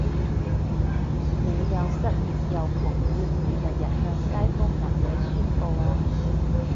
你又失業又窮會唔會日日向街坊街里宣佈吖？